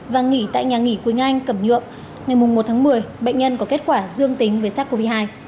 và nghỉ tại nhà nghỉ quỳnh anh cẩm nhượng ngày một tháng một mươi bệnh nhân có kết quả dương tính với sars cov hai